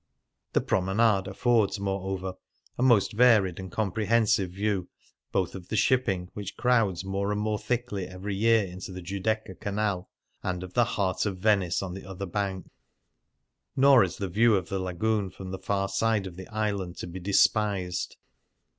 The promenade affords, moreover, a most varied and comprehensive view both of the shipping, which crowds more and more thickly every year into the Giudecca Canal, and of the " Heart of Ven ice " on the other bank. Nor is the view of the Lagoon from the far side of the island to be despised.